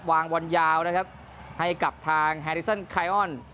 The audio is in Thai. วางบอลยาวนะครับให้กับทางแฮริสันไคออน